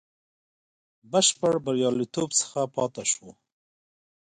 بشپړ بریالیتوب څخه پاته شو.